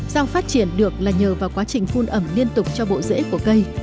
rau phát triển được là nhờ vào quá trình phun ẩm liên tục cho bộ rễ của cây